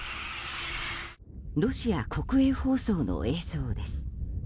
ロシア国営放送の映像です。